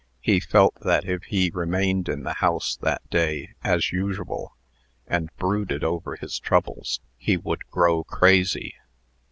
He felt that if he remained in the house that day, as usual, and brooded over his troubles, he would grow crazy.